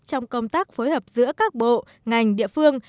trong công tác phối hợp giữa các bộ ngành địa phương